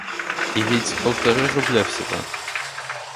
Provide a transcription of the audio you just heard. И ведь полтора рубля всего...